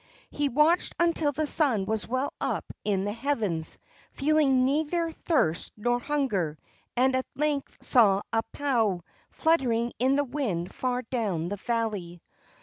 He watched until the sun was well up in the heavens, feeling neither thirst nor hunger, and at length saw a pau fluttering in the wind far down the valley.